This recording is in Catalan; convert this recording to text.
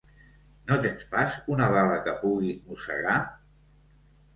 No tens pas una bala que pugui mossegar?